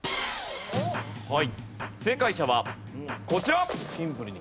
正解者はこちら。